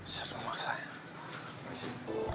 saya harus memaksanya